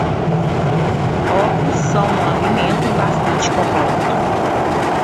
Ovos são um alimento bastante completo